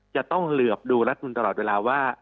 จะต้องเหลือบดูรัฐมนุนตลอดเวลาว่า